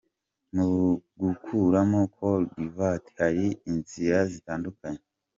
Mu gukuramo call divert hari inzira zitandukanye.